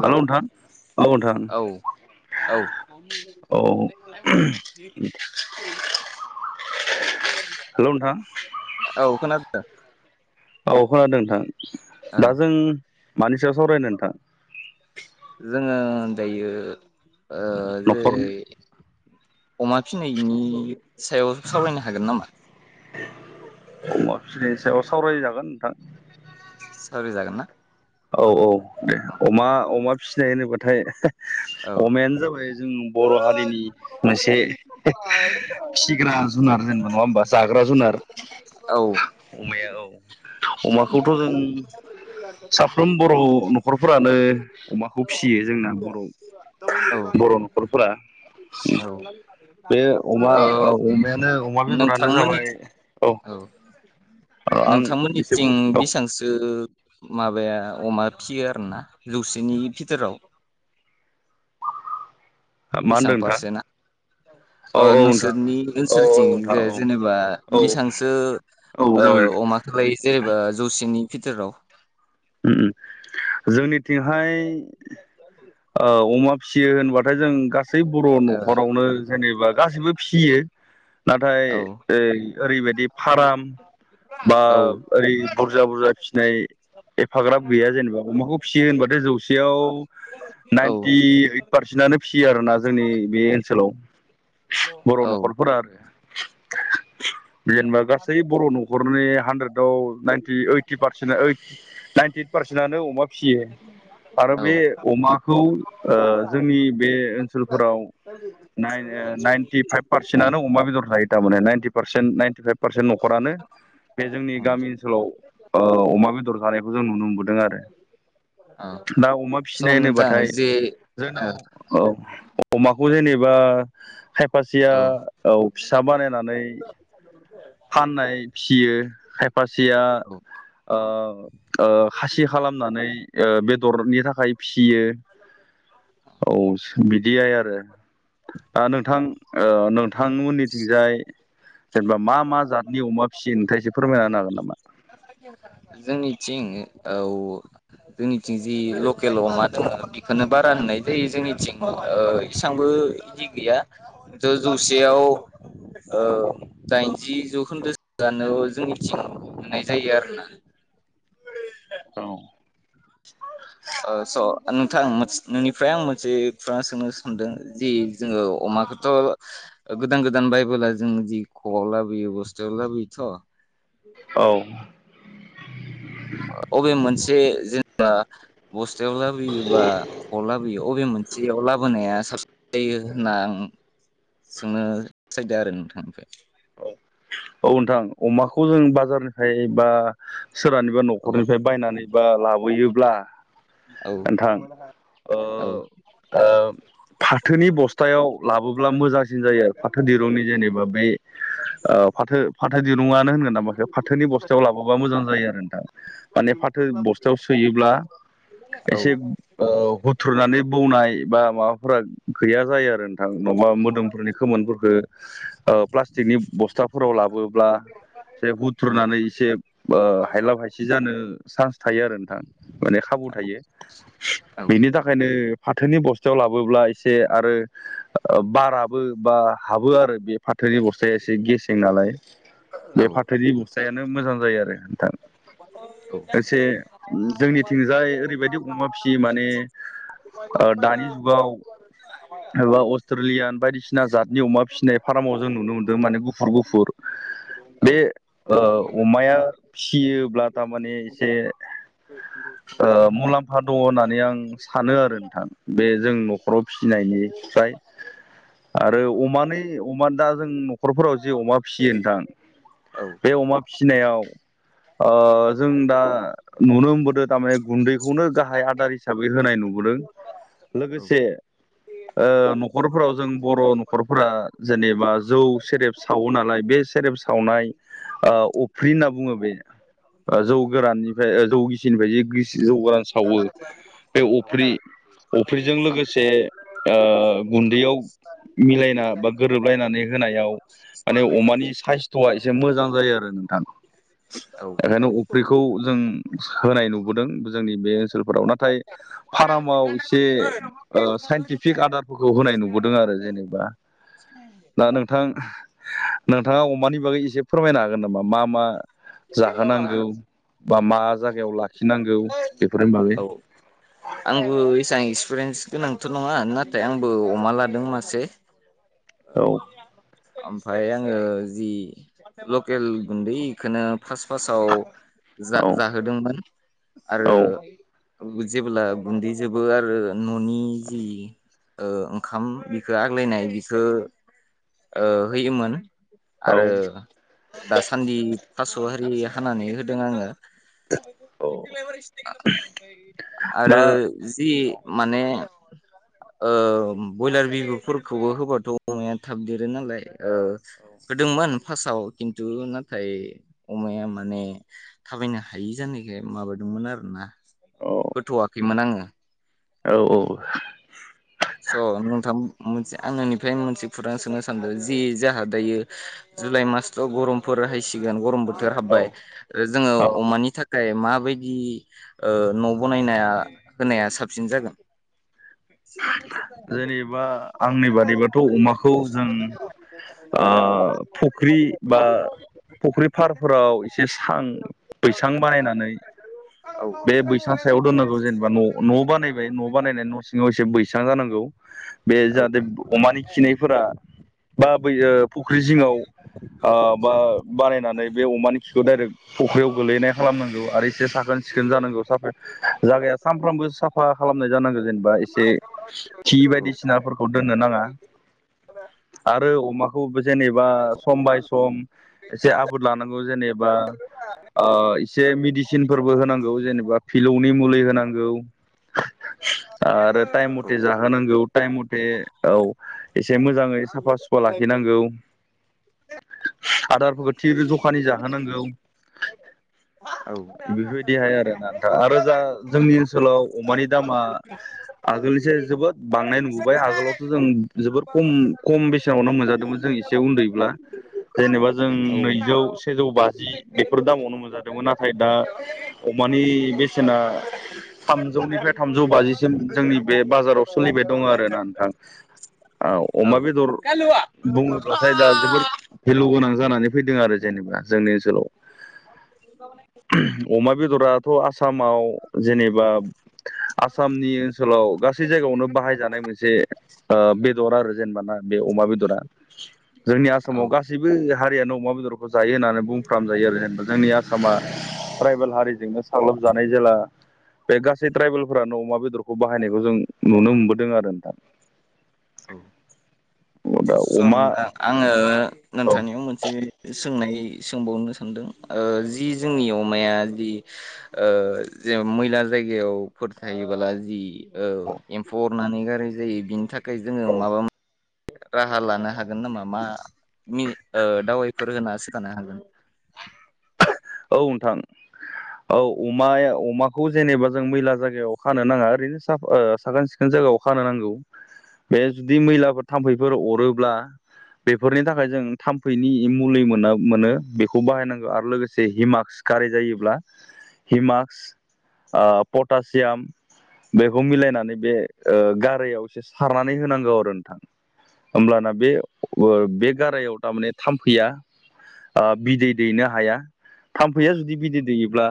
Hello नोंथां औ नोंथां औ औ। औ हेल' नोंथां औ खोनादों औ खोनादों नोंथां ओ दा जों मानि सायाव सावरायनो नोंथां जोंङो दायो ओ जेरै न'खरनो अमा फिसिनायनि सायाव सावरायनो हागोन नामा। अमा फिसिनायनि सायाव सावरायजागोन नोंथां। सावराय जागोनना। औ औ दे अमा अमा फिसिनाय होनोब्लाथाय औ अमायानो जाबाय जों बर' हारिनि मोनसे फिसिग्रा जुनार जेनेबा नङा होमबा जाग्रा जुनार औ अमाया अमाखौथ' जों [unintelligible] साफ्रोम बर' नखरफोरानो अमाखौ फिसियो जोंना बर' औ औ बर' न'खरफोरा बे अमा ओ औ अमायानो अमा बेदरानो नोंथांमोननि जाबाय औ आं एसे नोंथांमोननिथिं बुं औ बेसांसो माबाया अमा फिसियो आरोना जौसेनि बिथोराव मा बिसां होनदों नोंथां फारसेना औ अ औ नोंथां नोंसोरनि औ ओनसोलथिं नोंथां औ जे जेनेबा औ बेसांसो औ ओ जाबाय नोंथां अमाखौहाय जेनेबा जौसेनि बिथोराव अम जोंनिथिंहाय ओ अमा फिसियो होनबा थाय जों गासै बर' न'खरावनो जेनेबा गासिबो फिसियो नाथाय ओ ओरैबायदि फाराम बा औ ओरै बुरजा बुरजा फिसिनाय एफाग्राब गैया जेनेबा अमाखौ फिसियो होनबथाय जौसेयाव औ नाइन्टि ओइट पारसेन्टानो फिसियो आरोना जोंनि बे ओनसोलाव। बर' न'खरफोरा आरो जेनेबा गासै बर' न'खरनि हानड्रेदआव नाइन्टि ओइटि पारसेन्ट ओइद [inaudible] नाइन्टि ओइट पारसेन्टआनो अमा फिसियो आरो औ बे अमाखौ ओ जोंनि बे ओन सोलफोराव [unintelligible] टि फाइभ पारसेन्टआ अमा बेदर जायो थारमाने ninety percent ninety five percent न'खरानो बे जोंनि औ गामि ओनसोलाव ओ अमा बेदर [unintelligible] खौ जों नुनो मोनबोदों आरो औ दा अमा स' फिसिनाय नोंथां होनोबथाय जे औ जोंनाव औ अमाखौ जेनेबा खायफासिया औ औ फिसा बानायनानै [unintelligible] फान्नाय फियो खायफासेया औ ओ ओ खासि खालामनानै ओ बेदरनि थाखाय फिसियो औ बिदियाय आरो ओ नोंथां ओ नोंथांमोननिथिंजाय जेनेबा मा मा जाादनि अमा फिसियो नोंथाङा एसे फोरमायनानो हागोन नामा जोंनिथिं औ जोंनिथिं जि लकेल अमा जोङो बेखौनो बारा होननाय जायो जोंनिथिं ओ इसांबो इदि गैया जौ जौसेयाव ओ दाइनजि जौखोन्दोसोआनो जोंनिथिं मोननाय जायो आरोना औ ओ स' नोंथां नोंनिफ्राय आं मोनसे खोथा सोंनो सानदों दि जोङो औ अमाखौथ' गोदान गोदान बायबोला जों जि ख'आव लाबोयो बुस्थुआव लाबोयोथ' औ अबे मोनसे जेनेबा बस्थायाव लाबोयो बा ख लाबोयो अबे मोनसे जेयाव लाबोनाया साबसिन जायो होनना आं सोंनो सैदों आरो नोंथांनिफ्राय औ नोंथां अमाखौ जों बाजारनिफ्राय बा सोरहानिबा औ न'खरनिफ्राय बायनानै बा लाबोयोब्ला औ नोंथां ओ औ ओ फाथोनि बस्थायाव लाबोब्ला मोजांसिन जायो आरो फाथो दिरुंनि जेनेबा बे ओ फाथो फाथो दिरुङानो होनगोन नामाखौ फाथोनि बस्थायाव लाबोबा मोजां जायो आरो नों माने फाथो बस्थायाव सोयोब्ला एसे औ ओ हुथ्रुनानै बौनाय बा माबाफोरा गैया जायो आरो नोंथां माबा मोदोमफोरनि खोमोनफोरखौ ओ पास्टिकनि बस्था फोराव लाबोब्ला एसे हुथ्रोननानै एसे ओ जिजानो चान्स थायो आरो नोंथां माने खाबु थायो बेनि थाखाय ओंखायनो फाथोनि बस्थायाव लाबोब्ला एसे आरो बाराबो बा हाबो आरो बे फाथोनि बस्थाया एसे गेसें नालाय बे फाथोनि बस्थायानो मोजां जायो आरो नोंथां एसे जोंनिथिंजाय ओरैबायदि अमा फिसियो माने ओ दानि जुगाव एबा अस्ट्रेलियान बायदिसिना जातनि अमा फिसिनाय फार्माव जों नुनो मोन्दों माने गुफुर गुफुर बे ओ अमाया फिसियोब्ला थारमाने एसे ओ मुलाम्फा दङ होननानै आं सानो आरो नोंथां बे जों न'खराव फि फिनायनिफ्राय आरो अमानै अमा दा जों न'खरफोराव जे अमा फिसियो नोंथां औ बे अमा फिनायाव ओ जों दा नुनो मोनबोदों थारमाने गुन्दैखौनो गाहाय आदार हिसाबै होनाय नुबोदों औ लोगोसे ओ न'खरफोराव जों बर' न'खरफोरा जेनेबा जौ सेरेब सावो नालाय बे सेरेब सा सावनाय ओ अफ्रि होनना बुङो बे जौ गोराननिफ्राय जौ गिसिनिफ्राय जि गिबि जौ गोरान सावो बे ना दान अफ्रिजों लोगो से ओ गुन्दैयाव मिलायना बा गोरोबलायनानै होनायाव माने अमानि साइस्थ'आ एसे मोजां जायो आरो नोंथां ओब बेखायनो अफ्रिखौ जों होनाय नुबोदों जोंनि बे ओनसोलफोराव नाथाय फारामाव एसे ओ साइन्टिफिक आदारफोरखौ होनाय नुबोदों आरो जेनेबा दा नोंथां नोंथाङा अमानि बागै एसे फोरमायनो हागोन नामा मा मा जाहोनांगौ बा मा जायगायाव लाखिनांगौ बेफोरनि बागै औ आंबो एसबां एक्सपिरियेन्स गोनांथ' नङा नाथाय आंबो अमा लादों मासे औ ओमफाय आङो जि लकेल गुन्दैखौनो फास फासाव जा औ जाहोदोंमोन आरो औ जेबोला गुन्दैजोबो आरो न'नि जि ओ ओंखाम बिखो आग्लायनाय बिखौ ओ होयोमोन आरो औ दास सान्दि थास' हारि हानानै होदों आङो औ दा आरो जि माने ओ बयलार बिबुफोरखौबो होबाथ' अमाया थाब देरो नालाय ओ होदोंमोन फार्स्टाव नाथाय अमाया माने थाबायनो हायि जानायखाय माबादोंमोन आरोना औ होथ'वाखैमोन आङो औ औ स' नोंथां मोनसे आं नोंनिफ्राय मोनसे खौरां सोंनो सानदों जि जोंहा दायो जुलाइ मासथ' गरमफोर हायसिगोन गरम बोथोर औ हाबबाय आरो जोङो औ अमानि थाख खाय माबायदि न' बनायनाय होनाया साबसिन जागोन अ जेनेबा आंनि बादैबाथ' अमाखौ जों आ फुख्रि बा फुख्रि फारफोराव एसे सां बैसां औ बानायनानै बे बैसां सायाव दोननांगौ जेनेबा न' न' बानायबाय न' बानायनानै न' सिङाव एसे बो सां जानांगौ बे जाहाथे अमानि खिनायफोरा बा बै फुख्रि जिङाव ओ बा बानायनानै बे अमानि खिखौ डारेक फख्रियाव गोलैनाय खालामनांगौ आरो एस एसे साखोन सिखोन जानांगौ साफ जागाया सानफ्रामबो साफा खालामनाय जानांगौ जेनेबा एसे खि औ-औ-औ-औ-औ-औ बायदिसिनाफोरखौ दोननो नाङा आरो अमाखौ बै जेनेबा सम बाय सम एसे आबाद लानांगौ जेनेबा ओ एसे मेडिसिनफोरबो होनांगौ जेनेबा फिलौनि मुलि होनांगौ आरो टाइम मथे जाहोनांगौ टाइम मथे औ एसे मोजाङै साफा सुफा लाखिनांगौ आदारफोरखौ थि जखानि जाहोनांगौ। औ बेफोरबायदिहाय आरो ना नोंथां आरो जा जोंनि औ [unintelligible] आगोलनिसाय जोबोद बांनाय नुबोबाय आगोलावथ' जों जोबोद खम खम बेसेनावनो मोनजादोंमोन जों एस से उन्दैब्ला जेनेबा जों नैजौ सेजौ बा जि बेफोर दामावनो मोनजादोंमोन नाथाय दा अमानि बेसेना थामजौनिफ्राय थामजौ बाजिसिम जोंनि बे बाजाराव सोलिबाय दङ आरोना नोंथां औ अमा बेदर बुङोब्लाथाय दा जोबोर भेलु गोनां जानानै फैदों आरो जेनेबा जोंनि ओनसोलाव। अ जोबावनाय [unintelligible] अमा बेदराथ' आसामाव जेनेबा आसामनि ओनसोलाव गासै जायगायावनो बाहायजानाय मोनसे ओ बेदर आरो जेनेबा ना बे अमा बेदरा जोंनि आसामाव गास सैबो हारियानो अमा बेदरखौ जायो होननानै बुंफ्रामजायो आरो जेनेबा जोंनि आस सामा ट्राइबेल हारिजोंनो साग्लोबजानाय जेला बे गासै ट्राइबेलफोरानो अमा बेदर खौ बाहायनायखौ जों नुनो मोनबोदों आरो नोंथां दा सन अमा आ आङो औ नोंथांनियाव मोनसे सोंनाय सोंबावनो सानदों ओ जि जोंनि अमाया जि ओ जे मैला जायगायावफोर थायोबोला जि औ एम्फौ अरनानै गाराय जायो बिनि थाखाय जोङो माबा मोन राहा लानो हागोन नामा मा नि ओ दावायफोर होना सोथानो हागोन औ नोंथां। औ अमाया अमाखौ जेनेबा जों मैला जायगायाव खानो नाङा ओरैनो साख ओ साखोन सिख खोन जायगायाव खानो नांगौ बे जुदि मैलाफोर थाम्फैफोर अरोब्ला बेफोरनि थाखाय जों थाम्फैनि मुलि मोना मोनो बेखौ बाहायनांगौ आरो लोगोस से हिमाक्स गाराय जायोब्ला हिमाक्स ओ पटासियाम बेखौ मिलायनानै बे ओ गारायाव एसे सारनानै होनांगौ आरो नोंथां। होमब्लाना बे ओ बे गारायाव टामाने थाम्फैया ओ बिदै दैनो हाया। थाम्फैया जुदि बिदै दैयोब्ला